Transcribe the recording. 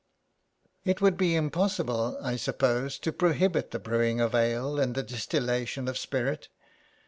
" It would be impossible, I suppose, to prohibit the brewing of ale and the distillation of spirit."